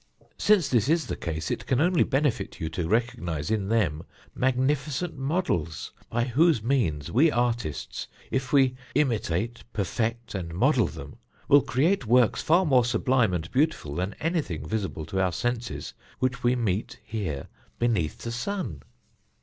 Since this is the case, it can only benefit you to recognise in them magnificent models, by whose means we artists, if we imitate, perfect, and model them, will create works far more sublime and beautiful than anything visible to our senses which we meet here beneath the sun."